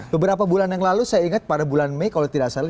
beberapa bulan yang lalu saya ingat pada bulan mei kalau tidak salah